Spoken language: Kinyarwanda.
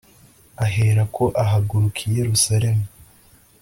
ahera ko ahaguruka i yeruzalemu